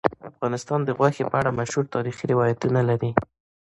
افغانستان د غوښې په اړه مشهور تاریخی روایتونه لري.